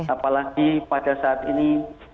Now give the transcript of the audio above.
apalagi pada saat ini